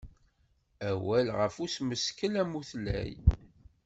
Awal ɣef usmeskel amutlay.